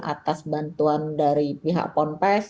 atas bantuan dari pihak ponpes